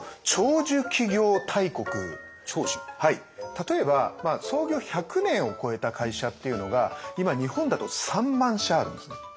はい例えば創業１００年を超えた会社っていうのが今日本だと３万社あるんですね。